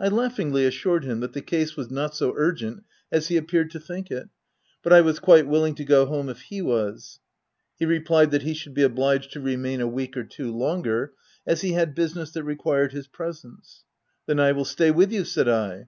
I laughingly assured him that the case w T as not so urgent as he appeared to think it, but I was quite willing to go home if he was. He replied that he should be obliged to remain a week or two longer, as he had business that re quired his presence. " Then I will stay with you/' said I.